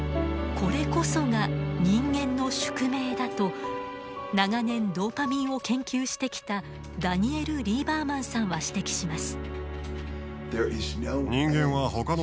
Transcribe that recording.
これこそが人間の宿命だと長年ドーパミンを研究してきたダニエル・リーバーマンさんは指摘します。